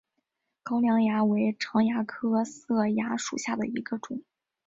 高梁蚜为常蚜科色蚜属下的一个种。